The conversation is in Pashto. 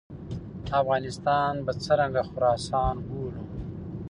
افغانستان به څرنګه خراسان بولو.